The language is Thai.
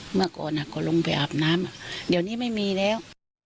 เมื่อก่อนก็ลงไปอาบน้ำเดี๋ยวนี้ไม่มีแล้ว